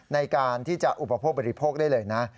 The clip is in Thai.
ในการที่จะอุปโภคบริโภคได้เลยนะ